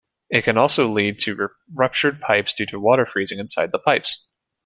It can also lead to ruptured pipes due to water freezing inside the pipes.